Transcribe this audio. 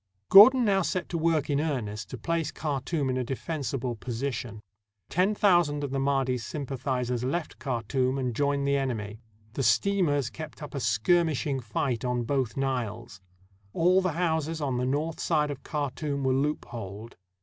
Gordon now set to work in earnest to place Khartoum in a defensible position. Ten thousand of the Madhi's sympathizers left Khartoum and joined the enemy. The steamers kept up a skirmishing fight on both Niles, All the houses on the north side of Khartoum were loop holed.